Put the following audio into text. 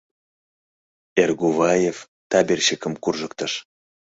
Эргуваев табелыщикым куржыктыш.